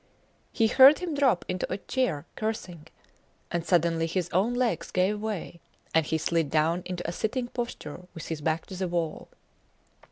He heard him drop into a chair cursing, and suddenly his own legs gave way, and he slid down into a sitting posture with his back to the wall.